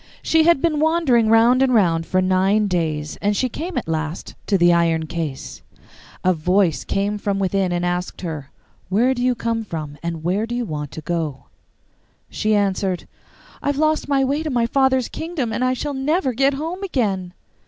She had been wandering round and round for nine days, and she came at last to the iron case. A voice came from within and asked her, 'Where do you come from, and where do you want to go?' She answered, 'I have lost my way to my father's kingdom, and I shall never get home again.